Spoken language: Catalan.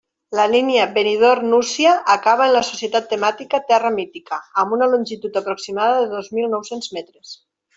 La línia Benidorm — la Nucia acaba en la Societat Temàtica Terra Mítica, amb una longitud aproximada de dos mil nou-cents metres.